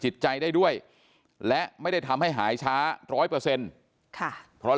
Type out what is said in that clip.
จิตใจได้ด้วยและไม่ได้ทำให้หายช้าร้อยเปอร์เซ็นต์ค่ะเพราะ